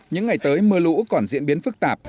những ngày tới mưa lũ còn diễn biến phức tạp